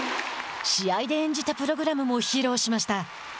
試合で演じたプログラムも披露しました。